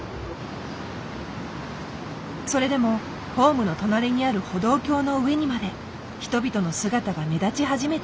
それでもホームの隣にある歩道橋の上にまで人々の姿が目立ち始めていた。